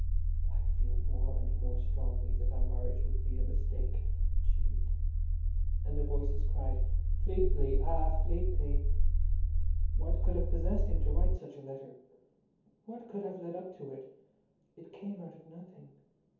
"... I feel more and more strongly that our marriage would be a mistake...." she beat. And the voices cried: Fleetly! Ah, Fleetly. What could have possessed him to write such a letter! What could have led up to it! It came out of nothing.